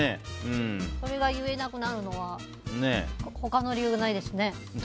それが言えなくなるのは他の理由がないですね。